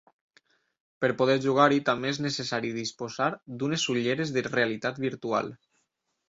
Per poder jugar-hi també és necessari disposar d'unes ulleres de realitat virtual.